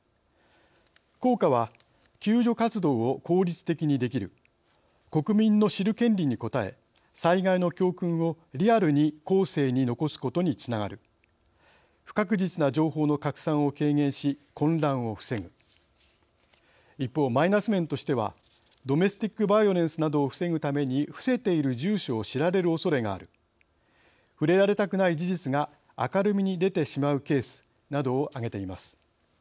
効果は救助活動を効率的にできる国民の知る権利に応え災害の教訓をリアルに後世に残すことにつながる不確実な情報の拡散を軽減し混乱を防ぐ一方、マイナス面としてはドメスティックバイオレンスなどを防ぐために伏せている住所を知られるおそれがある触れられたくない事実が明るみに出てしまうケースなどを挙げています。